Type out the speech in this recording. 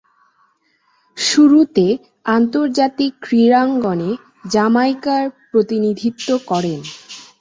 শুরুতে আন্তর্জাতিক ক্রীড়াঙ্গনে জামাইকার প্রতিনিধিত্ব করেন।